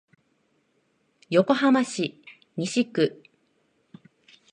横浜市西区